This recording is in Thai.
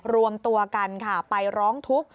รวมตัวกันค่ะไปร้องทุกข์